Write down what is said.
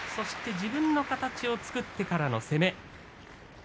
自分の形を作ってからの攻め。